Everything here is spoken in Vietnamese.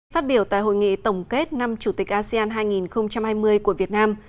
phát biểu tại hội nghị tổng kết năm chủ tịch asean hai nghìn hai mươi của việt nam